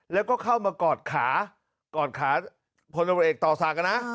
แล้วก็เข้ามากอดขากอดขาพลตำรวจเอกต่อศักดิ์นะ